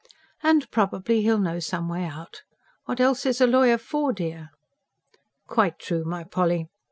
"And probably he'll know some way out. What else is a lawyer for, dear?" "Quite true, my Polly.